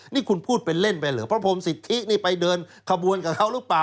นี่คุณพูดเป็นเล่นไปเหรอพระพรมสิทธินี่ไปเดินขบวนกับเขาหรือเปล่า